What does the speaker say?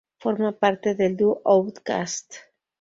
Forma parte del dúo OutKast.